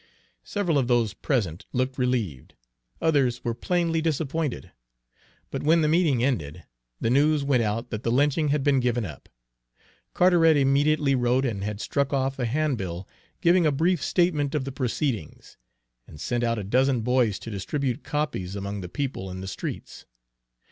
Several of those present looked relieved; others were plainly, disappointed; but when the meeting ended, the news went out that the lynching had been given up. Carteret immediately wrote and had struck off a handbill giving a brief statement of the proceedings, and sent out a dozen boys to distribute copies among the people in the streets.